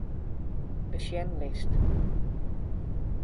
Besjenlist.